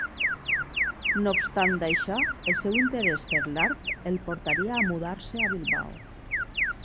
No obstant això, el seu interès per l'art el portaria a mudar-se a Bilbao.